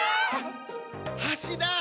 はしだ！